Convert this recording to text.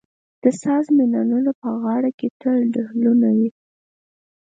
د ساز مېنانو په غاړه کې تل ډهلونه وي.